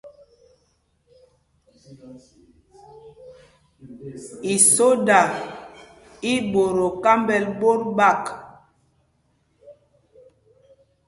Isoda í mbot o kámbɛl ɓot ɓák.